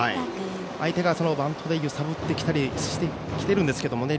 相手がバントで揺さぶってきたりしてきているんですけどね。